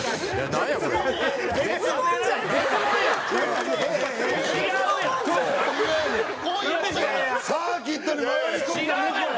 何がやねん！